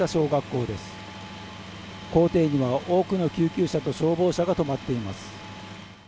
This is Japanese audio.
校庭には多くの救急車と消防車が止まっています